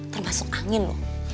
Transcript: termasuk angin lo